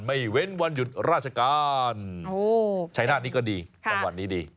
ไม่เว้นวันหยุดราชการชัยนาฏนี้ก็ดีสัพพยาวันนี้ดี